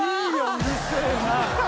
うるせえな。